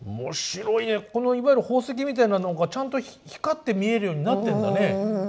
このいわゆる宝石みたいなのがちゃんと光って見えるようになってんだね。